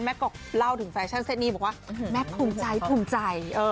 แม่ก็เล่าถึงแฟชั่นเซ็ทนี้บอกว่าแม่ภูมิใจ